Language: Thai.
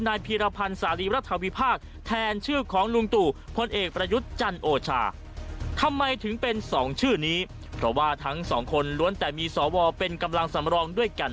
นายพีรพรรณสาลีปรัฐวิภาค